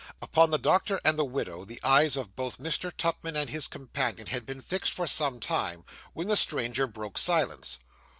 Upon the doctor, and the widow, the eyes of both Mr. Tupman and his companion had been fixed for some time, when the stranger broke silence.